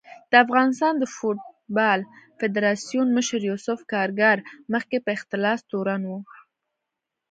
د افغانستان د فوټبال فدارسیون مشر یوسف کارګر مخکې په اختلاس تورن و